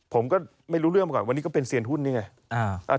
ผมก็ไม่รู้เรื่องมาก่อนวันนี้ก็เป็นเซียนหุ้นนี่ไง